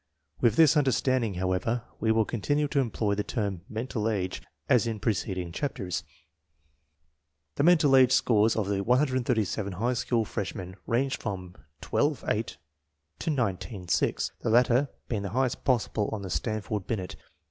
With this understanding, however, we will continue to employ the term mental age as in preceding chapters. The mental age scores of the 137 high school fresh men ranged from 12 8 to 19 6, the latter being the highest possible on the Stanford Binet.